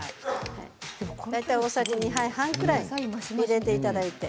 大体、大さじ２杯半ぐらい入れていただいて。